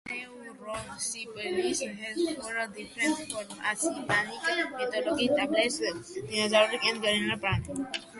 Neurosyphilis has four different forms: asymptomatic, meningovascular, tabes dorsalis, and general paresis.